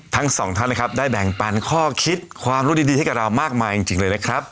ทั้งสองท่านนะครับได้แบ่งปันข้อคิดความรู้ดีให้กับเรามากมายจริงเลยนะครับ